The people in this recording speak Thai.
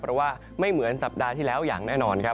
เพราะว่าไม่เหมือนสัปดาห์ที่แล้วอย่างแน่นอนครับ